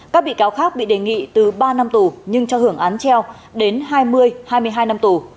các bị cáo khác bị đề nghị từ ba năm tù nhưng cho hưởng án treo đến hai mươi hai mươi hai năm tù